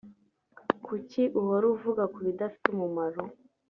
Kuki uhora uvuga kubidafite umumaro